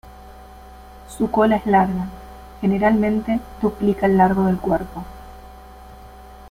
Su cola es larga, generalmente duplica el largo del cuerpo.